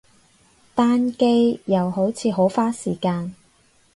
單機，又好似好花時間